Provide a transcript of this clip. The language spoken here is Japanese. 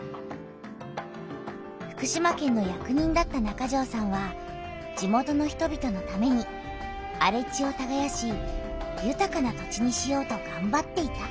福島県の役人だった中條さんは地元の人びとのためにあれ地をたがやしゆたかな土地にしようとがんばっていた。